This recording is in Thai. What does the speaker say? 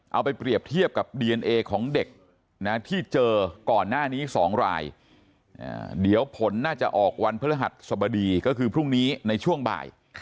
เอาไปเปรียบเทียบกับดีเอนเอของเด็กนะที่เจอก่อนหน้านี้๒รายเดี๋ยวผลน่าจะออกวันพฤหัสสบดีก็คือพรุ่งนี้ในช่วงบ่าย